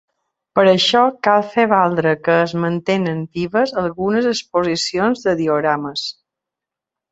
Per això cal fer valdre que es mantenen vives algunes exposicions de diorames.